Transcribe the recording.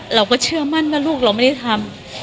เราก็เชื่อมั่นว่าลูกเราไม่ได้ทำ